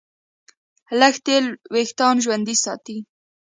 لږ تېل وېښتيان ژوندي ساتي.